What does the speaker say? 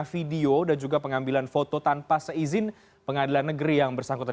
video dan juga pengambilan foto tanpa seizin pengadilan negeri yang bersangkutan